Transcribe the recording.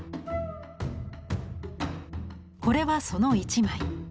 これはその一枚。